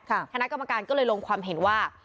คณะกรรมการก็เลยลงความเห็นว่า